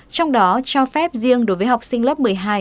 trong đó cho phép riêng đối với học sinh lớp một mươi hai